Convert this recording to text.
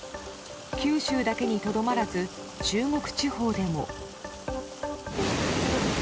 九州だけにとどまらず中国地方でも。